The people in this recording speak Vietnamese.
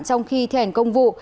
trong khi thi hành công vụ